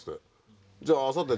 じゃああさって